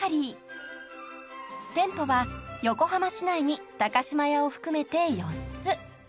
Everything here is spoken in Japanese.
［店舗は横浜市内に島屋を含めて４つ］